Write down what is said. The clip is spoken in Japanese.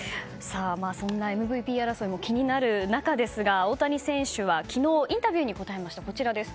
そんなＭＶＰ争いも気になる中ですが大谷選手は、昨日インタビューに答えました。